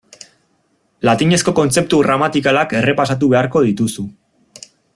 Latinezko kontzeptu gramatikalak errepasatu beharko dituzu.